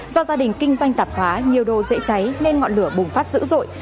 do gia đình kinh doanh tạp hóa nhiều đồ dễ cháy nên ngọn lửa bùng phát dữ dội